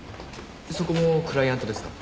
そこもクライアントですか？